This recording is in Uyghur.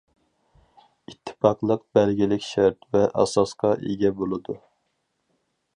ئىتتىپاقلىق بەلگىلىك شەرت ۋە ئاساسقا ئىگە بولىدۇ.